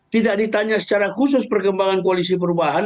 tidak ditanya secara khusus perkembangan koalisi perubahan